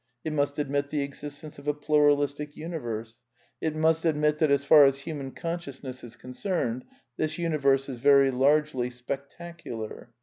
It must admit the existence of a Pluralistic . Universe. It must admit that as far as human conscious \ ness is concerned this universe is very largely " spectacu lar."